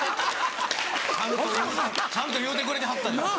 ちゃんと言うてくれてはった。なぁ。